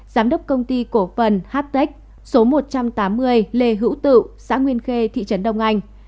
giám đốc công ty cổ phần htec số một trăm tám mươi lê hữu tự xã nguyên khê thị trấn đông anh